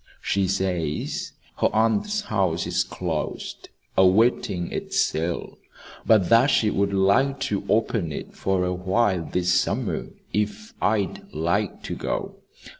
She says her aunt's house is closed, awaiting its sale; but that she would like to open it for awhile this summer, if I'd like to go.